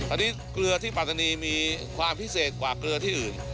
อันนี้เกลือที่ปัตตานีมีความพิเศษกว่าเกลือที่อื่น